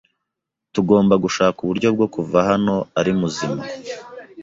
Tugomba gushaka uburyo bwo kuva hano ari muzima.